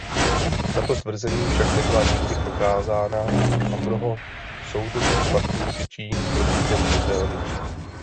Tato tvrzení však nebyla nikdy prokázána a mnoho soudobých faktů svědčí proti těmto teoriím.